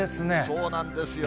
そうなんですよ。